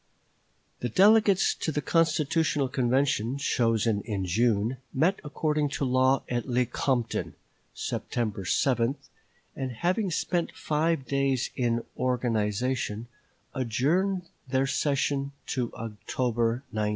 " The delegates to the constitutional convention, chosen in June, met according to law at Lecompton, September 7, and, having spent five days in organization, adjourned their session to October 19.